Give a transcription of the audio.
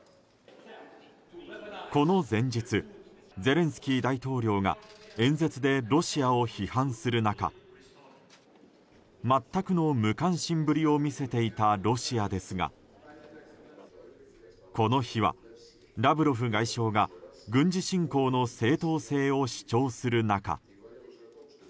この前日、ゼレンスキー大統領が演説でロシアを批判する中全くの無関心ぶりを見せていたロシアですがこの日は、ラブロフ外相が軍事侵攻の正当性を主張する中。